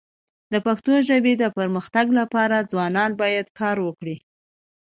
د پښتو ژبي د پرمختګ لپاره ځوانان باید کار وکړي.